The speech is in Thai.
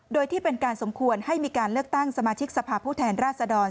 โดยที่เป็นการสมควรให้มีการเลือกตั้งสมาชิกสภาพผู้แทนราชดร